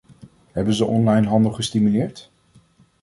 Hebben ze onlinehandel gestimuleerd?